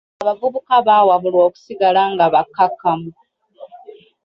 Abavubuka baawabulwa okusigala nga bakkakkamu.